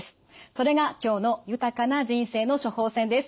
それが今日の「豊かな人生の処方せん」です。